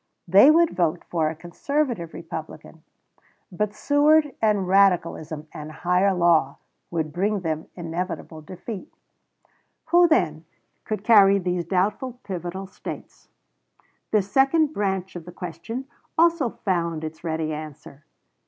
They would vote for a conservative Republican; but Seward and radicalism and "higher law" would bring them inevitable defeat. N.Y. "Tribune," May 18, 1860. Who, then, could carry these doubtful and pivotal States? This second branch of the question also found its ready answer.